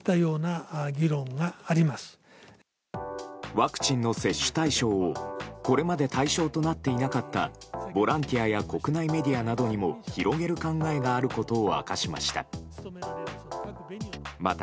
ワクチンの接種対象をこれまで対象となっていなかったボランティアや国内メディアにも広げる考えがあることを明かしました。